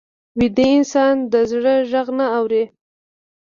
ویده انسان د زړه غږ نه اوري